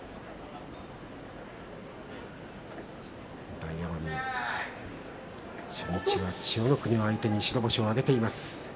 大奄美初日は千代の国を相手に白星を挙げています。